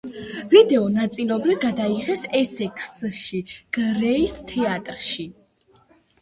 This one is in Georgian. ვიდეო ნაწილობრივ გადაიღეს ესექსში, გრეის თეატრში.